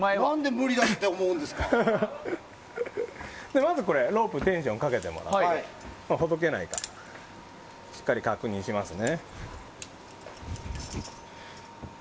まず、ロープテンションかけてもらってほどけないかしっかり確認しますね。